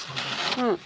うん。